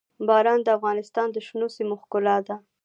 باران د افغانستان د شنو سیمو ښکلا ده.